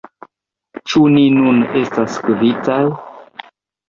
Ĉu ni nun estas kvitaj?